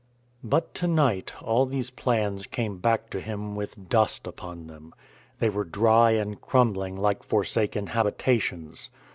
But to night all these plans came back to him with dust upon them. They were dry and crumbling like forsaken habitations.